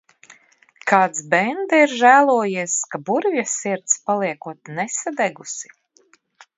Kāds bende ir žēlojies, ka burvja sirds paliekot nesadegusi.